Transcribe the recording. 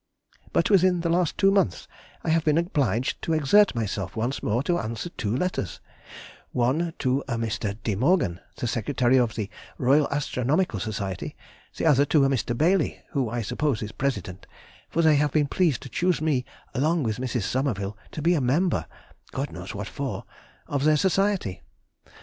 But within the last two months I have been obliged to exert myself once more to answer two letters, one to Mr. De Morgan, the Secretary of the Royal Astronomical Society, the other to Mr. Baily (who I suppose is President), for they have been pleased to choose me, along with Mrs. Somerville, to be a member (God knows what for) of their Society.